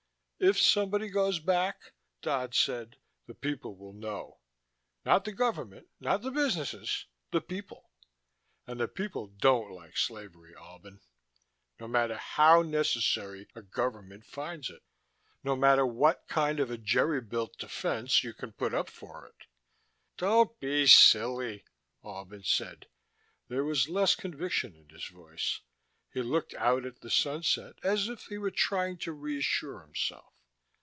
"If somebody goes back," Dodd said, "the people will know. Not the government, not the businesses, the people. And the people don't like slavery, Albin. No matter how necessary a government finds it. No matter what kind of a jerry built defense you can put up for it." "Don't be silly," Albin said. There was less conviction in his voice; he looked out at the sunset as if he were trying to reassure himself.